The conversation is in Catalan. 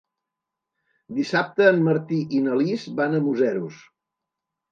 Dissabte en Martí i na Lis van a Museros.